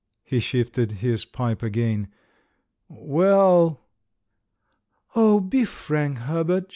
He shifted the pipe again. *'WelI " *'Oh, be frank, Herbert!"